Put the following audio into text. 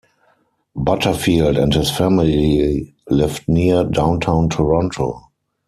Butterfield and his family lived near downtown Toronto.